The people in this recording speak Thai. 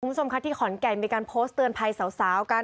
คุณผู้ชมค่ะที่ขอนแก่นมีการโพสต์เตือนภัยสาวกัน